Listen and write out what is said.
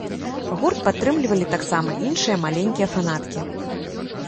Гурт падтрымлівалі таксама іншыя маленькія фанаткі.